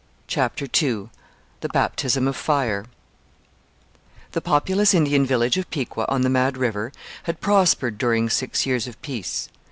CHAPTER II THE BAPTISM OF FIRE The populous Indian village of Piqua on the Mad River had prospered during six years of peace.